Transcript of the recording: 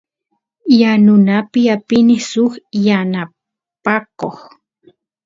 yanunapi apini suk yanapakoq